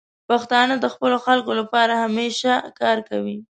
پښتانه د خپلو خلکو لپاره همیشه کار کوي.